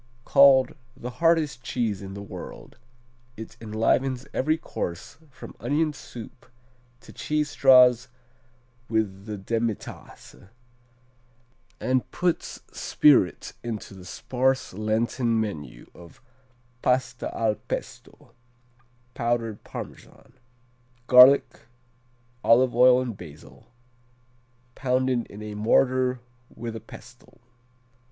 Called "The hardest cheese in the world." It enlivens every course from onion soup to cheese straws with the demitasse, and puts spirit into the sparse Lenten menu as Pasta al Pesto, powdered Parmesan, garlic, olive oil and basil, pounded in a mortar with a pestle.